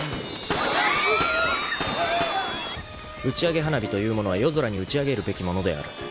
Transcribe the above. ［打ち上げ花火というものは夜空に打ち上げるべきものである］